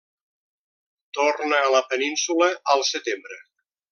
Torna a la península al setembre.